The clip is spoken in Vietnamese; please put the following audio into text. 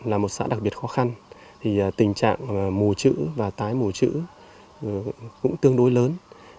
là một xã đặc biệt khó khăn thì tình trạng mù chữ và tái mù chữ cũng tương đối lớn